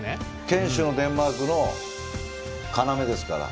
堅守のデンマークの要ですから。